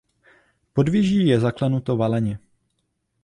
Podvěží je zaklenuto valeně.